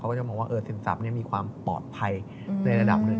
เขาก็จะมองรักษาศิลป์มีความปลอดภัยในระดับหนึ่ง